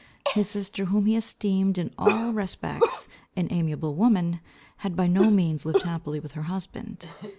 His sister, whom he esteemed in all respects an amiable woman, had by no means lived happily with her husband.